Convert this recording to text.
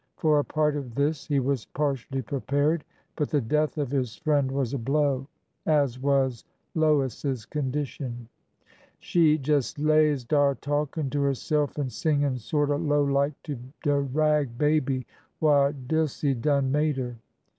For a part of this he was partially prepared, but the death of his friend was a blow, as was Lois's condition. She jes' lays dar talkin' to herself an' singin' sorter low like to de rag baby wha' Dilsey done made her.